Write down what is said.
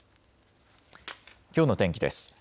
きょうの天気です。